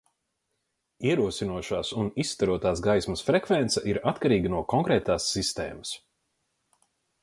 Ierosinošās un izstarotās gaismas frekvence ir atkarīga no konkrētās sistēmas.